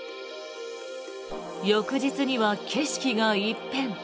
翌日には景色が一変。